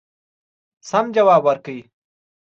سم جواب ورکړ.